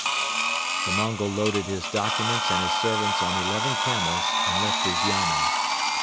The Mongol loaded his documents and his servants on eleven camels and left his yamen.